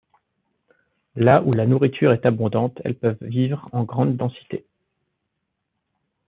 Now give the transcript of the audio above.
Là où la nourriture est abondante, elles peuvent vivre en grandes densités.